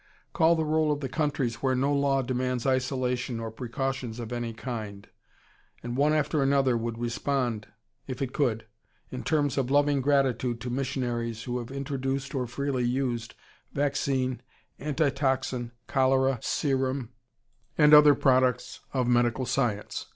Call the roll of the countries where no law demands isolation or precautions of any kind, and one after another would respond, if it could, in terms of loving gratitude to missionaries who have introduced or freely used vaccine, anti toxin, cholera serum, and other products of medical science.